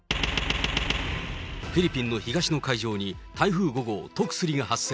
フィリピンの東の海上に台風５号、トクスリが発生。